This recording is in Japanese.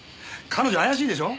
彼女怪しいでしょ？